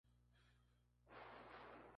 Liga Alemana.